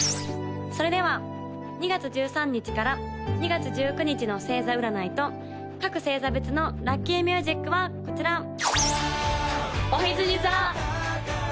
それでは２月１３日から２月１９日の星座占いと各星座別のラッキーミュージックはこちら！